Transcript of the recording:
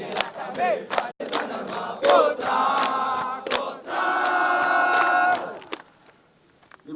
ini langkah mil